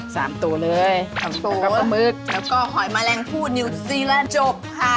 สามตัวเลยแล้วกับกำมือแล้วก็หอยแมลงพู่นิวซีละจบค่ะ